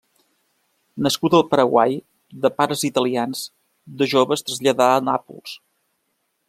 Nascut al Paraguai de pares italians, de jove es traslladà a Nàpols.